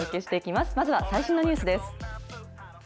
まずは、最新のニュースです。